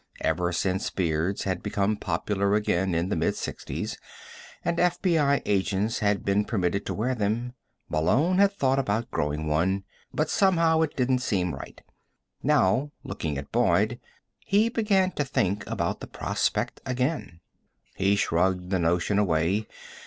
Ever since beards had become popular again in the mid sixties, and FBI agents had been permitted to wear them, Malone had thought about growing one. But, somehow, it didn't seem right. Now, looking at Boyd, he began to think about the prospect again. He shrugged the notion away.